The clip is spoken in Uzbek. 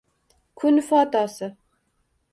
Kun fotosi